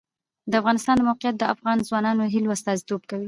د افغانستان د موقعیت د افغان ځوانانو د هیلو استازیتوب کوي.